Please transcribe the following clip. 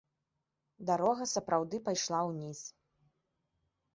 Дарога сапраўды пайшла ўніз.